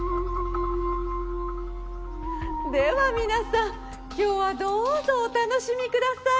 では皆さん今日はどうぞお楽しみください。